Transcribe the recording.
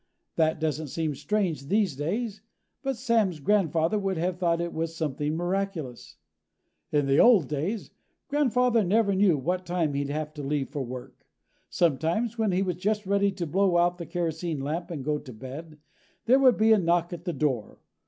That doesn't seem strange these days, but Sam's grandfather would have thought it was something miraculous. In the old days, grandfather never knew what time he'd have to leave for work. Sometimes, when he was just ready to blow out the kerosene lamp and go to bed, there would be a knock at the door.